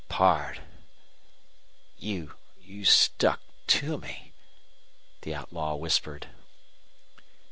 "Pard, you stuck to me!" the outlaw whispered.